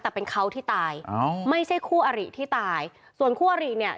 แต่เป็นเขาที่ตายอ้าวไม่ใช่คู่อริที่ตายส่วนคู่อริเนี่ย